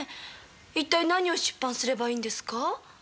一体何を出版すればいいんですか？